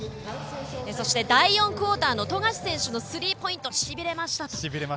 そして第４クオーターの富樫選手のスリーポイントしびれました。